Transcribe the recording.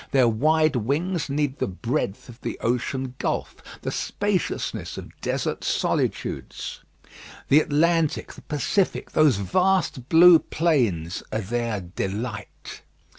Their wide wings need the breadth of the ocean gulf; the spaciousness of desert solitudes. The Atlantic, the Pacific those vast blue plains are their delight.